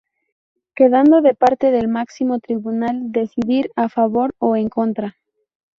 Quedando de parte del máximo tribunal decidir a favor o en contra.